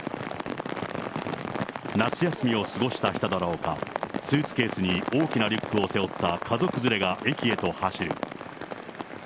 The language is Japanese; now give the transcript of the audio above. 夏休みを過ごした人だろうか、スーツケースに大きなリュックを背負った家族連れが、駅へと走る。